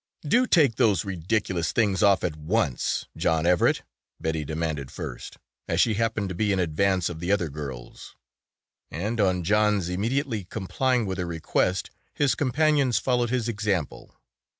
"Do take those ridiculous things off at once, John Everett," Betty demanded first, as she happened to be in advance of the other girls, and on John's immediately complying with her request, his companions followed his example.